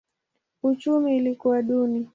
Uchumi ilikuwa duni.